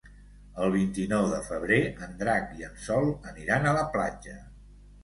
El vint-i-nou de febrer en Drac i en Sol aniran a la platja.